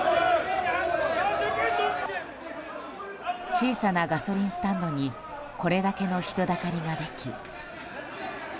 小さなガソリンスタンドにこれだけの人だかりができ。